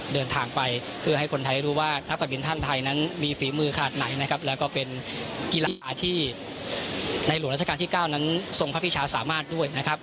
เดินทางไปเพื่อให้คนไทยได้รู้ว่านักการบินท่านไทยนั้นมีฝีมือขนาดไหนนะครับแล้วก็เป็นกีฬาที่ในหลวงราชการที่เก้านั้นทรงพระพิชาสามารถด้วยนะครับ